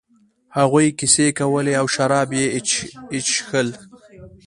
هغوی کیسې کولې او شراب یې ایشخېشل.